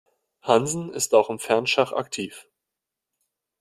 Hansen ist auch im Fernschach aktiv.